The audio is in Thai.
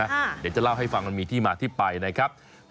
เดี๋ยวจะเล่าให้ฟังมันมีที่มาที่ไปนะครับ